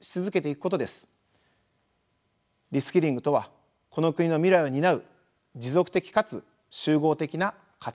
リスキリングとはこの国の未来を担う持続的かつ集合的な活動なのです。